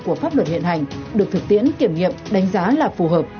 của pháp luật hiện hành được thực tiễn kiểm nghiệm đánh giá là phù hợp